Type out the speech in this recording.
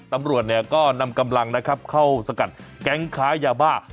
ตำรวจเนี่ยก็นำกำลังนะครับเข้าสกัดแก๊งค้ายาบ้า